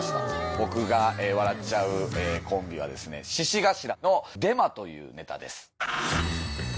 僕が笑っちゃうコンビはですね、シシガシラのデマというネタです。